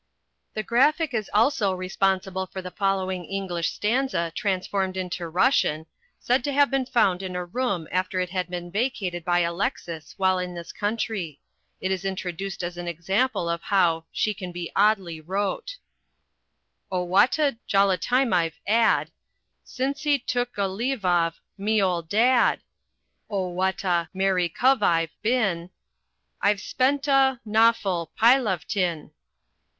The "Graphic" is also responsible for the following English stanza transformed into Russian, said to have been found in a room after it had been vacated by Alexis while in this country. It is introduced as an example of how "she can be oddly wrote": "Owata jollitimiv ad Sinci tooklevov mioldad! Owata merricoviv bin Ivespenta nawful pilovtin!